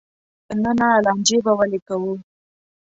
نه نه لانجې به ولې کوو.